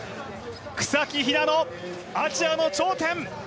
草木ひなの、アジアの頂点！